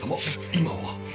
今は。